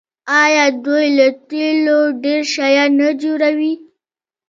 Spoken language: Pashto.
آیا دوی له تیلو ډیر شیان نه جوړوي؟